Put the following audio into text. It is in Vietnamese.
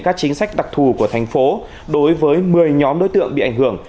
các chính sách đặc thù của tp hà nội đối với một mươi nhóm đối tượng bị ảnh hưởng